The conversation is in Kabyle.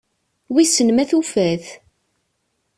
Wissen ma tufa-t?